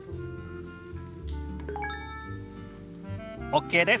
ＯＫです。